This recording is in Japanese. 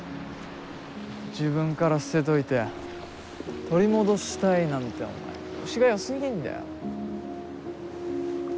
自分から捨てといて取り戻したいなんてお前虫がよすぎんだよ。